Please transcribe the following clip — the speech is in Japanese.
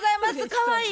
かわいい？